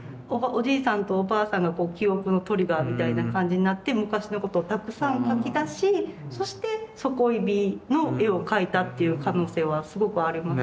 おじいさんとおばあさんが記憶のトリガーみたいな感じになって昔のことをたくさん描き出しそして「ソコイビ」の絵を描いたっていう可能性はすごくありますね。